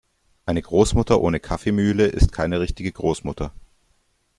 Eine Großmutter ohne Kaffeemühle ist keine richtige Großmutter.